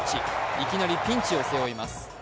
いきなりピンチを背負います。